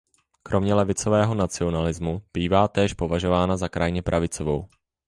Kromě levicového nacionalismu bývá též považována za krajně pravicovou.